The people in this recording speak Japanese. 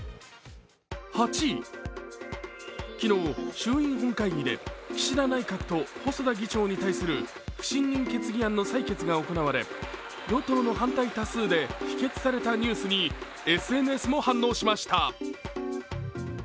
８位、昨日、衆院本会議で岸田内閣と細田議長に対する不信任決議案の採決が行われ与党の反対多数で否決されたニュースにＳＮＳも反応しました。